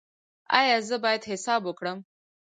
ایا زه باید حساب وکړم؟